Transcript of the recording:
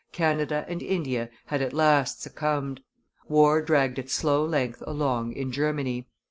Canada and India had at last succumbed. War dragged its slow length along in Germany.